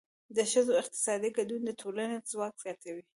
د ښځو اقتصادي ګډون د ټولنې ځواک زیاتوي.